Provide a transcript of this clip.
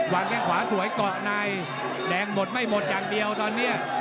แข้งขวาสวยเกาะในแดงหมดไม่หมดอย่างเดียวตอนนี้